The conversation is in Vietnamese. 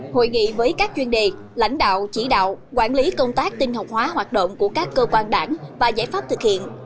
hội nghị với các chuyên đề lãnh đạo chỉ đạo quản lý công tác tinh học hóa hoạt động của các cơ quan đảng và giải pháp thực hiện